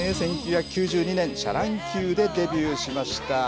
１９９２年シャ乱Ｑでデビューしました。